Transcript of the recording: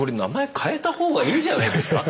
変えた方がいいんじゃないですか？